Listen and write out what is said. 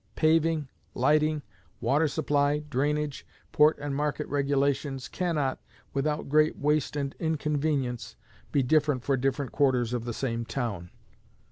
Paving, lighting, water supply, drainage, port and market regulations, can not, without great waste and inconvenience, be different for different quarters of the same town.